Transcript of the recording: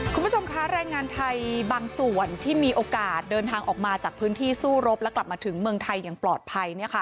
คุณผู้ชมคะแรงงานไทยบางส่วนที่มีโอกาสเดินทางออกมาจากพื้นที่สู้รบและกลับมาถึงเมืองไทยอย่างปลอดภัย